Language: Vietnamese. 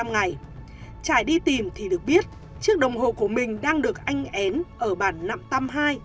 một mươi năm ngày trải đi tìm thì được biết chiếc đồng hồ của mình đang được anh én ở bản nậm tâm ii